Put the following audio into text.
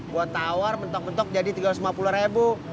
buat tawar bentok bentok jadi tiga ratus lima puluh ribu